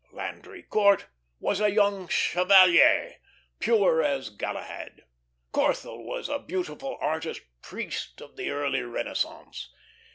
Landry Court was a young chevalier, pure as Galahad. Corthell was a beautiful artist priest of the early Renaissance.